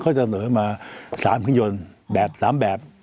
เขาจะเสนอมา๓ขึ้นยนต์แบบ๓แบบ